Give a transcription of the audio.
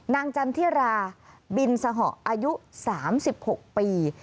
นางจันทรีย์ราบินสหออายุ๓๖ปี